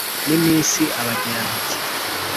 N'iminsi abagera ntoki